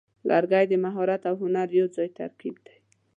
لرګی د مهارت او هنر یوځای ترکیب دی.